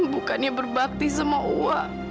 bukannya berbakti sama uwa